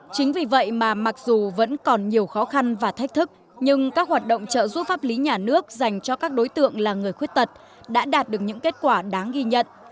chính vì vậy mà mặc dù vẫn còn nhiều khó khăn và thách thức nhưng các hoạt động trợ giúp pháp lý nhà nước dành cho các đối tượng là người khuyết tật đã đạt được những kết quả đáng ghi nhận